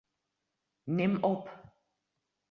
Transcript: Nim op.